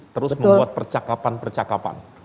terus membuat percakapan percakapan